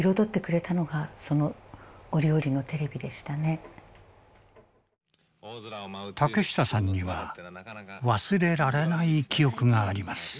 ですから竹下さんには忘れられない記憶があります。